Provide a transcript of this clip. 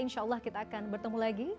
insya allah kita akan bertemu lagi